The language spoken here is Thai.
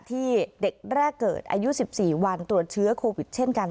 ที่เด็กแรกเกิดอายุ๑๔วันตรวจเชื้อโควิดเช่นกัน